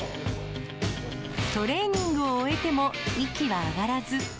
トレーニングを終えても息は上がらず。